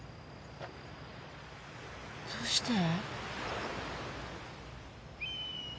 どうして？